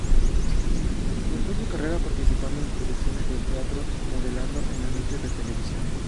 Comenzó su carrera participando en producciones de teatro y modelando en anuncios de televisión.